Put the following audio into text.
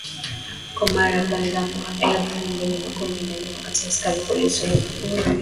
kwa mara kwanzaMwelfu mbili na kumi na nne wakati askari polisi wa Jamhuri